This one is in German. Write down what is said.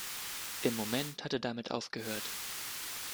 Im Moment hat er damit aufgehört!